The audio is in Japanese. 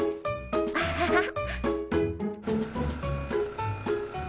アッハハ。